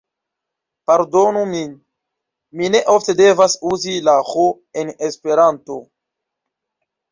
Pardonu min, mi ne ofte devas uzi la ĥ en esperanto.